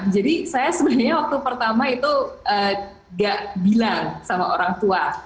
saya sebenarnya waktu pertama itu gak bilang sama orang tua